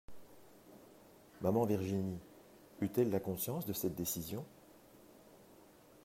Maman Virginie eut-elle la conscience de cette décision?